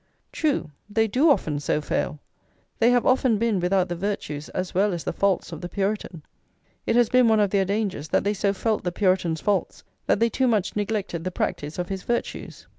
True, they do often so fail: they have often been without the virtues as well as the faults of the Puritan; it has been one of their dangers that they so felt the Puritan's faults that they too much neglected the practice of his virtues.